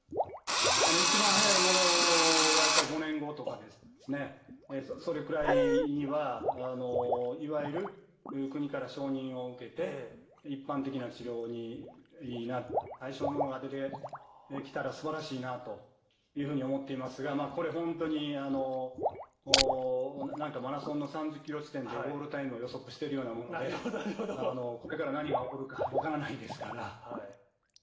一番早いものはやっぱり５年後とかですね、それくらいにはいわゆる国から承認を受けて、一般的な治療になる最初のものが出てきたらすばらしいなというふうに思っていますが、これ本当に、なんかマラソンの３０キロ地点でゴールタイムを予測してるようなもので、ここから何が起こるか分からないですから。